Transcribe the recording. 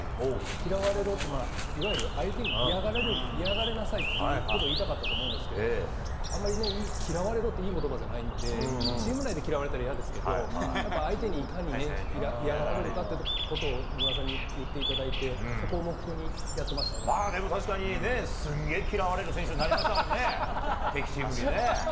嫌われろって、いわゆる相手に嫌がられなさいっていうことを言いたかったと思うんですけど、あんまりね、嫌われろって、いいことばじゃないんで、チーム内で嫌われたら嫌ですけど、やっぱ相手にいかにね、嫌がられるかっていうことを、野村さんに言っていただいて、そこを目標にでも確かにね、すんげぇ嫌われる選手になりましたもんね、敵チームにね。